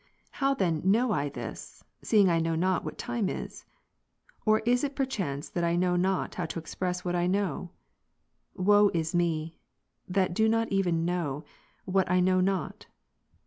How then know I this, seeing I know not what time is ? or is it perchance that I know not how to ex press what I know ? Woe is me, that do not even know, what I know not.